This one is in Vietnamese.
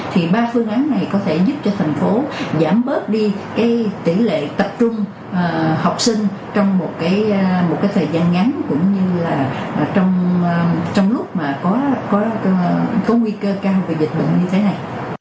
thì ba phương án này có thể giúp cho thành phố giảm bớt đi tỷ lệ tập trung học sinh trong một cái thời gian ngắn cũng như là trong lúc mà có nguy cơ cao về dịch bệnh như thế này